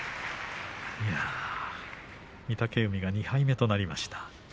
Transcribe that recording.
御嶽海が２敗目となりました。